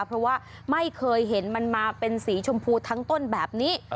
เพราะว่าไม่เคยเห็นมันมาเป็นสีชมพูทั้งต้นแบบนี้